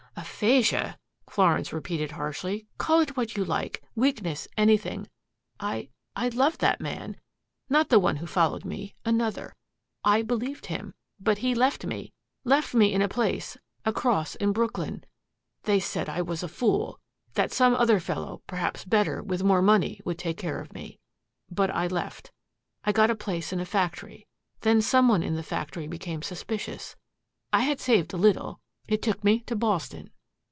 "Aphasia!" Florence repeated harshly. "Call it what you like weakness anything. I I loved that man not the one who followed me another. I believed him. But he left me left me in a place across in Brooklyn. They said I was a fool, that some other fellow, perhaps better, with more money, would take care of me. But I left. I got a place in a factory. Then some one in the factory became suspicious. I had saved a little. It took me to Boston.